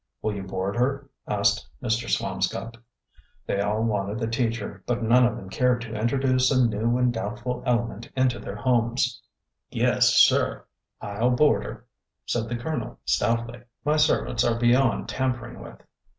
Will you board her? '' asked Mr. Swamscott. They all wanted the teacher, but none of them cared to introduce a new and doubtful element into their homes. Yes, sir, I 'll board her," said the Colonel, stoutly. My servants are beyond tampering with."